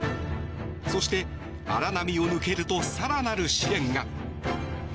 そして、荒波を抜けると更なる試練が。